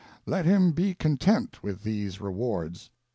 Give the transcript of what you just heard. Let him be content with these rewards.